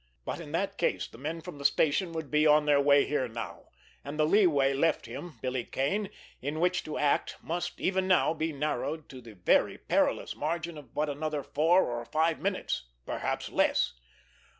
But in that case, the men from the station would be on their way here now, and the leeway left him, Billy Kane, in which to act must, even now, be narrowed to the very perilous margin of but another four or five minutes—perhaps less!